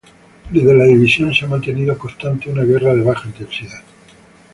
Desde la división se ha mantenido constante una guerra de baja intensidad.